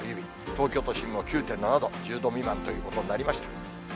東京都心も９．７度、１０度未満ということになりました。